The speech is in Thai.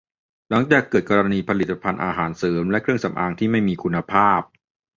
หลังจากเกิดกรณีผลิตภัณฑ์อาหารเสริมและเครื่องสำอางที่ไม่มีคุณภาพ